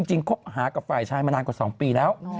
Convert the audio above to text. คบหากับฝ่ายชายมานานกว่า๒ปีแล้ว